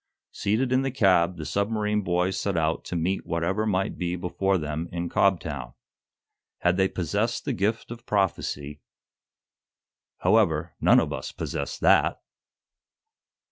Seated in the cab the submarine boys set out to meet whatever might be before them in Cobtown. Had they possessed the gift of prophecy However, none of us possess that!